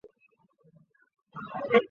该局的前身是中央军委办公厅警卫处。